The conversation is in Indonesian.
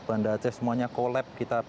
bandar aceh semuanya collab